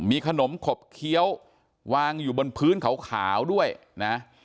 มีขนมขบเคี้ยววางอยู่บนพื้นขาวด้วยนะ